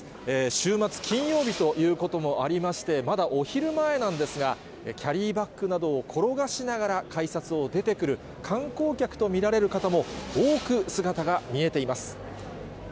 週末、金曜日ということもありまして、まだお昼前なんですが、キャリーバッグなどを転がしながら、改札を出てくる観光客と見られる方も多く姿が見えています。